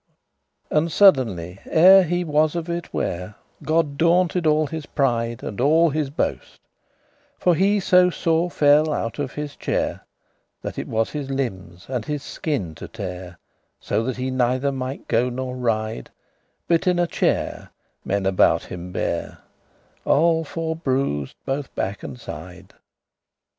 *prepare And suddenly, ere he was of it ware, God daunted all his pride, and all his boast For he so sore fell out of his chare,* *chariot That it his limbes and his skin to tare, So that he neither mighte go nor ride But in a chaire men about him bare, Alle forbruised bothe back and side.